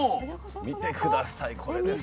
見て下さいこれです。